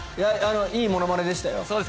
いいものまねでしたよ。